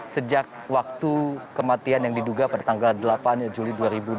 sejak waktu kematian yang diduga pada tanggal delapan juli dua ribu dua puluh